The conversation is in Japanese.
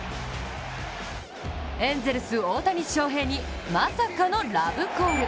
エンゼルス・大谷翔平にまさかのラブコール。